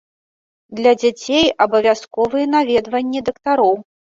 Для дзяцей абавязковыя наведванні дактароў.